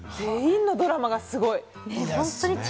全員のドラマがすごい。